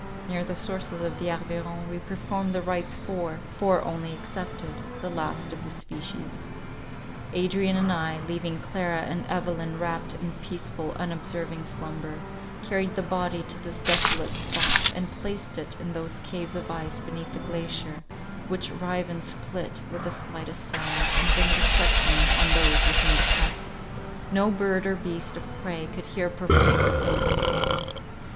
Near the sources of the Arveiron we performed the rites for, four only excepted, the last of the species. Adrian and I, leaving Clara and Evelyn wrapt in peaceful unobserving slumber, carried the body to this desolate spot, and placed it in those caves of ice beneath the glacier, which rive and split with the slightest sound, and bring destruction on those within the clefts—no bird or beast of prey could here profane the frozen form.